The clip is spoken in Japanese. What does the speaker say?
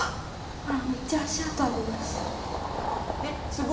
ほらめっちゃ足跡あります。